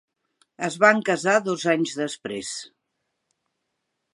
Es van casar dos anys després.